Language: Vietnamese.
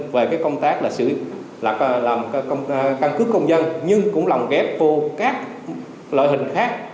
về cái công tác là làm căn cướp công dân nhưng cũng lòng ghép vô các loại hình khác